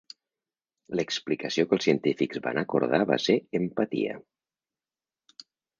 L'explicació que els científics van acordar va ser empatia.